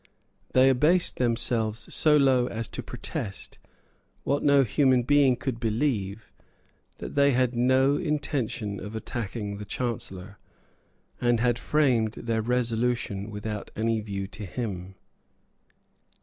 They abased themselves so low as to protest, what no human being could believe, that they had no intention of attacking the Chancellor, and had framed their resolution without any view to him.